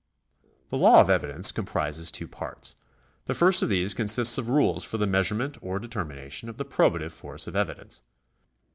The law of evidence comprises two parts. The first of these consists of rules for the measurement or determination of the probative force of evidence.